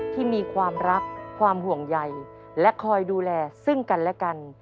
ที่มีความรักความห่วงใยและคอยดูแลซึ่งกันและกัน